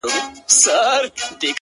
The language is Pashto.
o زه له خپلي ډيري ميني ورته وايم؛